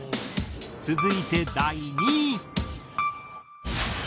続いて第２位。